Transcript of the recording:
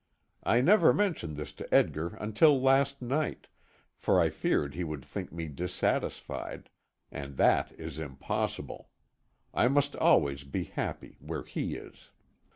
I never mentioned this to Edgar until last night, for I feared he would think me dissatisfied and that is impossible. I must always be happy where he is.